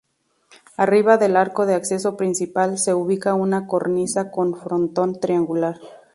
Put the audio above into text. Arriba del arco de acceso principal se ubica una cornisa con frontón triangular.